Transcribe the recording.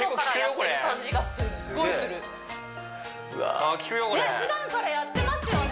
これ普段からやってますよね